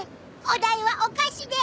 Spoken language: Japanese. お題は「お菓子」で！